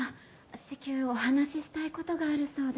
至急お話ししたい事があるそうで。